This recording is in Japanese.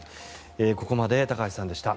ここまで高橋さんでした。